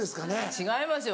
違いますよ